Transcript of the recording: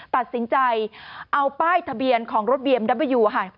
ตัดสินใจเอาป้ายทะเบียนของรถบีเอ็มเดอะเวอร์ยูค่ะ